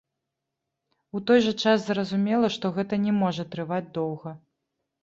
У той жа час зразумела, што гэта не можа трываць доўга.